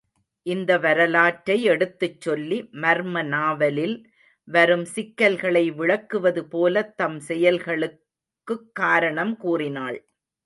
இந்த வரலாற்றை எடுத்துச் சொல்லி மர்ம நாவலில் வரும் சிக்கல்களை விளக்குவது போலத் தம் செயல்களுக்– குக்காரணம் கூறினாள்.